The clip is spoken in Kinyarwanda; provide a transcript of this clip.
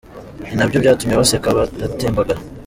Ibi nabyo byatumye baseka baratembagara.